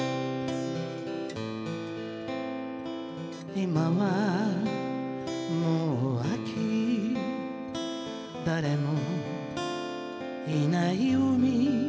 「今はもう秋誰もいない海」